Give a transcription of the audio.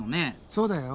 そうだよ。